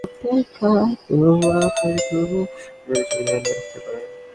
অনুষ্ঠানের জায়গায় selfie booth রাখেন তাঁরা, প্রজেক্টরের মাধ্যমে বিভিন্ন ছবি দেখানোর ব্যবস্থাও করেন।